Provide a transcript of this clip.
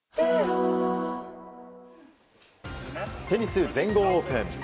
テニス全豪オープン。